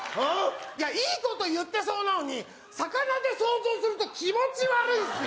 いや、いいこと言ってそうなのに魚で想像すると気持ち悪いんですよ！